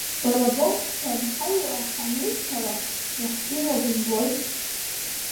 Бара боуп ҳҳәан ҳаҩуа ҳанлышьҭала, иаҳзылуа бымбои!